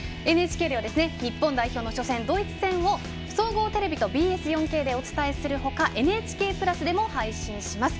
ＮＨＫでは日本代表の初戦ドイツ戦を総合テレビとＢＳ４Ｋでお伝えするほか「ＮＨＫプラス」でも配信します。